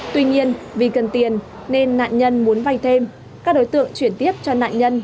tuy nhiên vì cần tiền nên nạn nhân muốn vay thêm các đối tượng chuyển tiếp cho nạn nhân